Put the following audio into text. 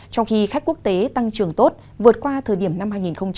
trong khi khách quốc tế tăng trường tốt vượt qua thời điểm năm hai nghìn một mươi chín